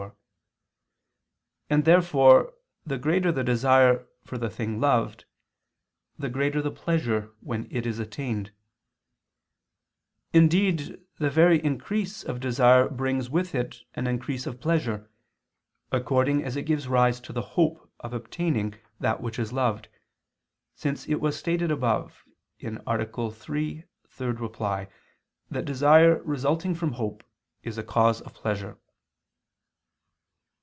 4): and therefore the greater the desire for the thing loved, the greater the pleasure when it is attained: indeed the very increase of desire brings with it an increase of pleasure, according as it gives rise to the hope of obtaining that which is loved, since it was stated above (A. 3, ad 3) that desire resulting from hope is a cause of pleasure.